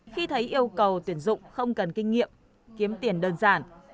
khi thấy yêu cầu tuyển dụng không cần kinh nghiệm kiếm tiền đơn giản